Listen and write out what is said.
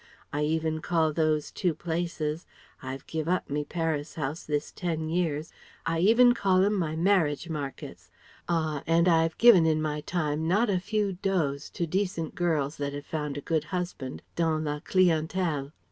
I even call those two places I've giv' up me Paris house this ten years I even call them my 'marriage markets.' Ah! an' I've given in my time not a few dots to decent girls that had found a good husband dans la clientèle.